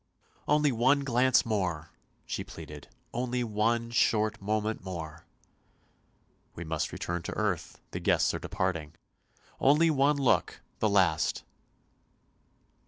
" Only one glance more," she pleaded; " only one short moment more." " We must return to earth; the guests are departing." " Only one look — the last."